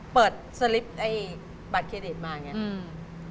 สลิปไอ้บัตรเครดิตมาอย่างนี้